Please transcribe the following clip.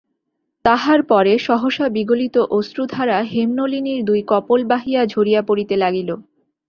তাহার পরে সহসা বিগলিত অশ্রুধারা হেমনলিনীর দুই কপোল বাহিয়া ঝরিয়া পড়িতে লাগিল।